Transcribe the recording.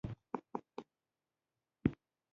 په کالج کي د فارسي استاد او خورا له ژونده ډک سړی و